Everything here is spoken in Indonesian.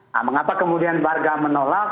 nah mengapa kemudian warga menolak